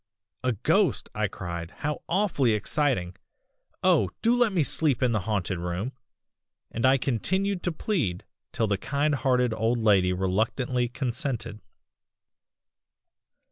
"'A ghost!' I cried, 'how awfully exciting! oh! do let me sleep in the haunted room,' and I continued to plead till the kind hearted old lady reluctantly consented.